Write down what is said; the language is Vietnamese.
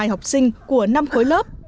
hai trăm năm mươi hai học sinh của năm khối lớp